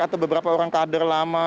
atau beberapa orang kader lama